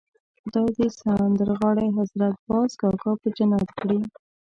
خدای دې سندرغاړی حضرت باز کاکا په جنت کړي.